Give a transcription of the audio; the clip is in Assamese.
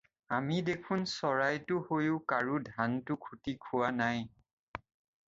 আমি দেখোন চৰাটটো হৈও কাৰো ধানটো খুটি থোৱা নাই।